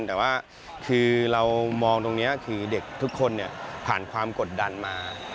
แต่ว่าคือเรามองตรงนี้คือเด็กทุกคนผ่านความกดดันมา